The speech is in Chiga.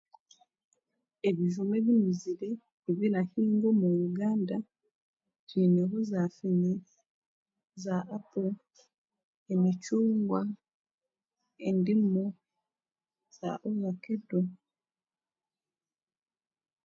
Ebijuma ebinuzire ebirahiingwa omu Uganda twineho za fene, za apo, emicungwa, endimu, za ovakedo.